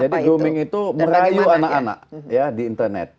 jadi grooming itu merayu anak anak ya di internet